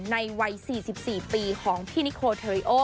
ในวัย๔๔ปีของพี่นิโคเทอริโอ